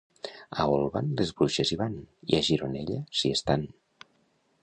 A Olvan les bruixes hi van; i a Gironella s'hi estan.